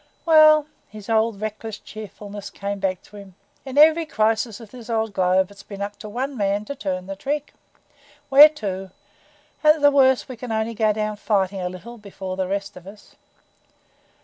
"Well," his old reckless cheerfulness came back to him, "in every crisis of this old globe it's been up to one man to turn the trick. We're two. And at the worst we can only go down fighting a little before the rest of us.